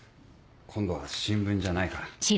今度は新聞じゃないから。